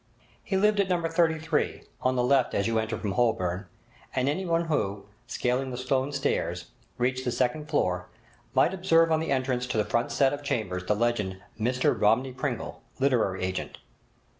He lived at No. 33, on the left as you enter from Holborn, and anyone who, scaling the stone stairs, reached the second floor, might observe on the entrance to the front set of chambers the legend, 'Mr Romney Pringle, Literary Agent'.